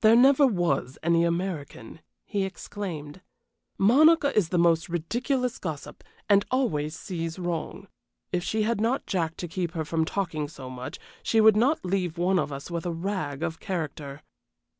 "There never was any American," he exclaimed. "Monica is the most ridiculous gossip, and always sees wrong. If she had not Jack to keep her from talking so much she would not leave one of us with a rag of character."